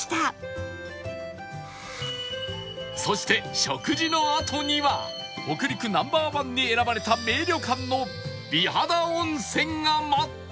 そして食事の後には北陸 Ｎｏ．１ に選ばれた名旅館の美肌温泉が待っている